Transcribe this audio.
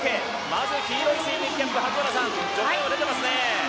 まず黄色いスイミングキャップ徐嘉余出ていますね。